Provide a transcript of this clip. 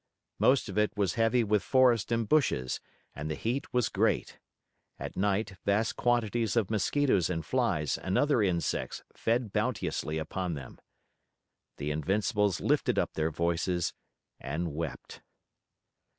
Most of it was heavy with forest and bushes, and the heat was great. At night vast quantities of mosquitoes and flies and other insects fed bounteously upon them. The Invincibles lifted up their voices and wept.